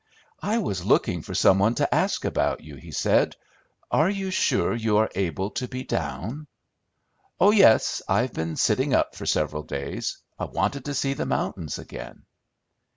"I was looking for some one to ask about you," he said. "Are you sure you are able to be down?" "Oh yes. I've been sitting up for several days. I wanted to see the mountains again."